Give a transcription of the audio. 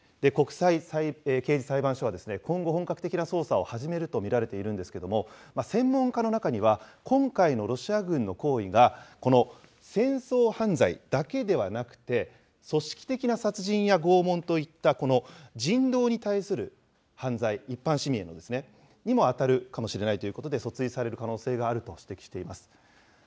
国際刑事裁判所は、今後、本格的な捜査を始めると見られているんですけれども、専門家の中には、今回のロシア軍の行為が、この戦争犯罪だけではなくて、組織的な殺人や拷問といったこの人道に対する犯罪、一般市民へのですね、にも当たるかもしれないということで、訴追される可能性があると指摘しています。